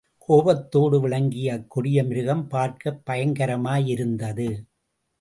கோபத்தோடு விளங்கிய அக்கொடிய மிருகம் பார்க்கப் பயங்கரமாயிருந்தது.